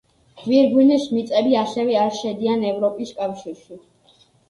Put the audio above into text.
გვირგვინის მიწები ასევე არ შედიან ევროპის კავშირში.